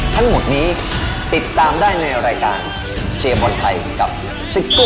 ทั้งหมดนี้ติดตามได้ในรายการเชียร์บอลไทยกับซิโก้